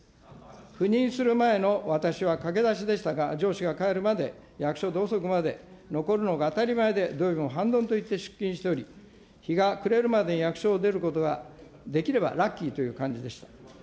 赴任する前の私は駆け出しでしたが、上司が帰るまで役所で遅くまで残るのが当たり前で、土曜日も半ドンといって出勤しており、日が暮れるまでに役所を出ることができればラッキーという感じでした。